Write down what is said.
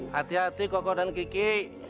hatiatih koko dan kiki